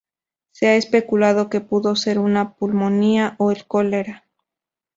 Se ha especulado que pudo ser una pulmonía o el cólera.